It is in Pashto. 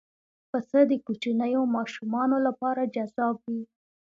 پسه د کوچنیو ماشومانو لپاره جذاب وي.